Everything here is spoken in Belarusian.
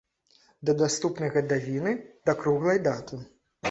Да наступнай гадавіны, да круглай даты.